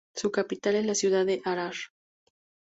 Su capital es la ciudad de Arar.